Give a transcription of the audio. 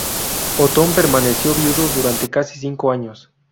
Otón permaneció viudo durante casi cinco años.